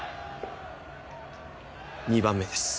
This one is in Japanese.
２番目です。